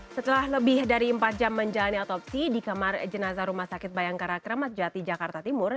setelah lebih dari empat jam menjalani otopsi di kamar jenazah rumah sakit bayangkara kramat jati jakarta timur